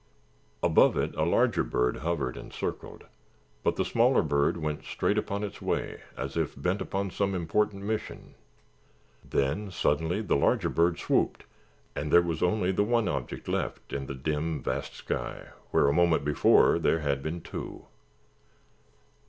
Above it a larger bird hovered and circled but the smaller bird went straight upon its way, as if bent upon some important mission. Then, suddenly, the larger bird swooped and there was only the one object left in the dim vast sky where, a moment before, there had been two.